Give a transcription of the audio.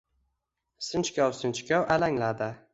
Sinchkov-sinchkov alangladi.